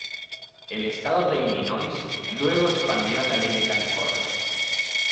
El estado de Illinois luego expandió en la ley de California.